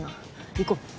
行こう。